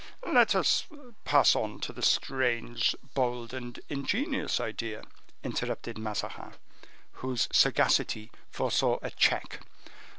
"Let us pass on to the strange, bold and ingenious idea," interrupted Mazarin, whose sagacity foresaw a check.